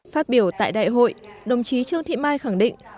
phát biểu tại đại hội đồng chí trương thị mai khẳng định